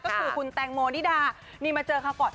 ก็คือคุณแตงโมนิดานี่มาเจอคาวกอร์ต